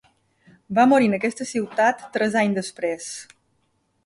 Va morir en aquesta ciutat tres anys després.